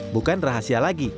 bukan rahasia lagi